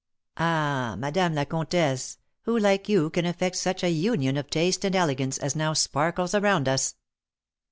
Ah, Madame la Comtesse, who like you can effect such a union of taste and elegance as now sparkles around us?"